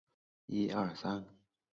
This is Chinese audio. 有一个方正整齐的庙区基地。